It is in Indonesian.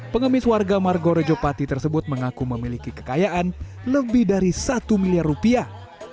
pengemis warga margorejo pati tersebut mengaku memiliki kekayaan lebih dari satu miliar rupiah